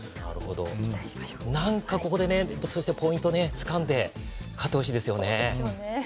何かここでポイントつかんで勝ってほしいですよね。